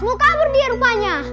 mau kabur dia rupanya